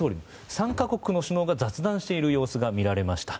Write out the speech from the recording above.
３か国の首脳が雑談している様子が見られました。